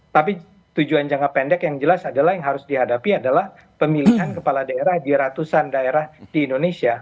tapi tujuan jangka pendek yang jelas adalah yang harus dihadapi adalah pemilihan kepala daerah di ratusan daerah di indonesia